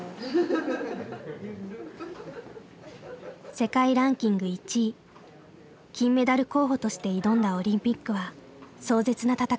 世界ランキング１位金メダル候補として挑んだオリンピックは壮絶な戦いでした。